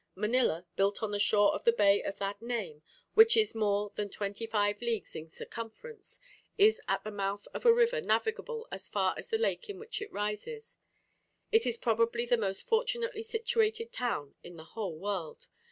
"Manila, built upon the shore of the bay of that name, which is more than twenty five leagues in circumference, is at the mouth of a river navigable as far as the lake in which it rises. It is probably the most fortunately situated town in the whole world.